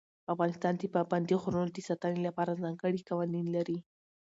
افغانستان د پابندي غرونو د ساتنې لپاره ځانګړي قوانین لري.